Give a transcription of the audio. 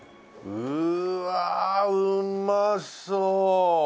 うわうまそう。